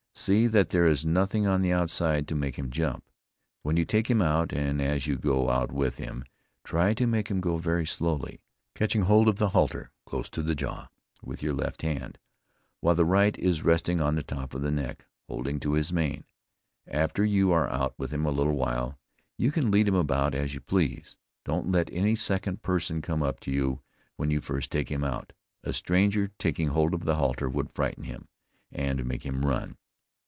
See that there is nothing on the outside to make him jump, when you take him out, and as you go out with him, try to make him go very slowly, catching hold of the halter close to the jaw, with your left hand, while the right is resting on the top of the neck, holding to his mane. After you are out with him a little while, you can lead him about as you please. Don't let any second person come up to you when you first take him out; a stranger taking hold of the halter would frighten him, and make him run.